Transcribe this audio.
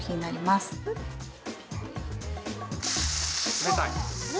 冷たい。